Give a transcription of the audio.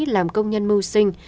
làm công nhân mưu sinh